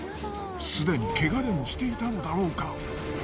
すでにケガでもしていたのだろうか？